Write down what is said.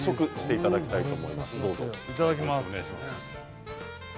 いただきます。